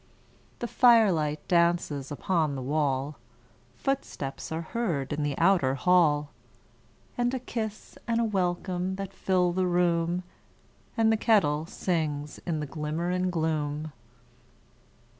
The firelight dances upon the wall, Footsteps are heard in the outer hall, And a kiss and a welcome that fill the room, And the kettle sings in the glimmer and gloom.